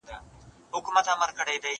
زه له سهاره کتابتوننۍ سره وخت تېرووم؟!